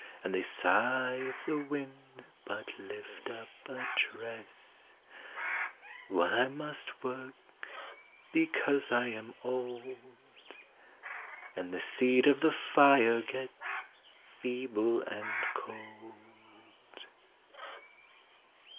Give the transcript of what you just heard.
And they sigh if the wind but lift up a tress; W hile I must work, because I am old And the seed of the tire gets feeble and cold.